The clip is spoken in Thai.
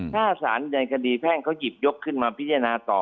ถ้าสารในคดีแพ่งเขาหยิบยกขึ้นมาพิจารณาต่อ